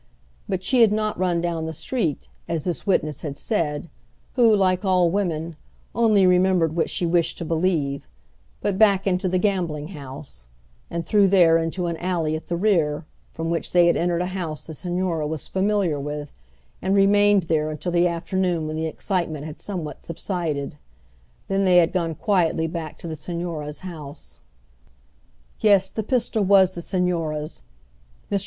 But she had not run down the street, as this witness had said, who, like all women, only remembered what she wished to believe, but back into the gambling house, and through there into an alley at the rear, from which they entered a house the Señora was familiar with, and remained there until the afternoon when the excitement had somewhat subsided. Then they had gone quietly back to the Señora's house. Yes, the pistol was the Señora's. Mr.